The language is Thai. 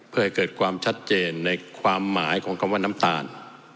เพื่อให้เกิดความชัดเจนในความหมายของคำว่าน้ำตาล